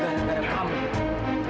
kondisi fadil semakkin lemah